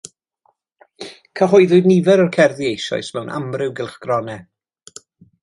Cyhoeddwyd nifer o'r cerddi eisoes mewn amryw gylchgronau.